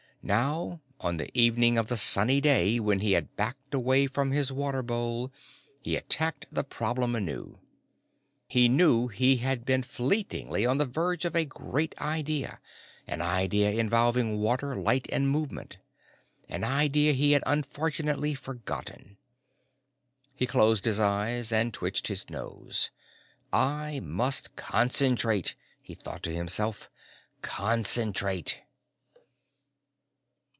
Now, on the evening of the sunny day when he had backed away from his water bowl, he attacked the problem anew. He knew he had been fleetingly on the verge of a great idea, an idea involving water, light and movement. An idea he had unfortunately forgotten. He closed his eyes and twitched his nose. I must concentrate, he thought to himself, concentrate....